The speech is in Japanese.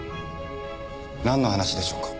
なんの話でしょうか。